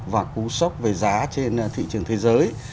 và cú sốc về giá trên thị trường thế giới